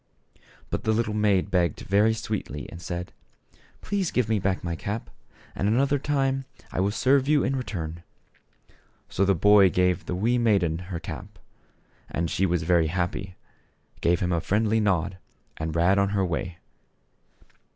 But the little maid begged very sweetly and said, " Please give me back my cap, and another time I will serve you in return." So the boy gave the wee maiden her cap. And she was very happy, gave him a friendly nod and ran on her way.